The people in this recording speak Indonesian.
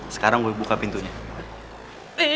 sekarang gue buka pintunya nih